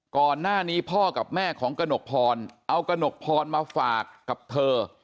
ก่อนหน้านี้พ่อกับแม่ของกระหนกพรเอากระหนกพรมาฝากกับเธอ